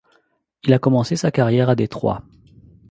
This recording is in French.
Il a commencé sa carrière à Détroit.